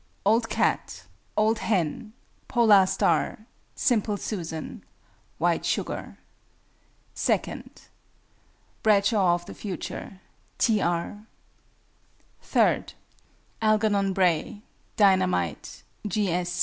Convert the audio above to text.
OLD CAT. OLD HEN. POLAR STAR. SIMPLE SUSAN. WHITE SUGAR. II. BRADSHAW OF THE FUTURE. T. R. III. ALGERNON BRAY. DINAH MITE.